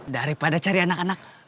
daripada cari anak anak